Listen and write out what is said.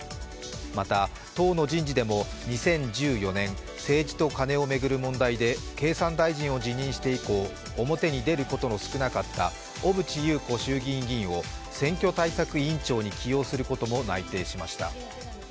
また党の人事でも、２０２４年、政治とカネを巡る問題で経産大臣を辞任して以降、表に出ることの少なかった小渕優子氏を選挙対策委員長に起用することも内定しました。